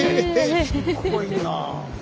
すごいなあ。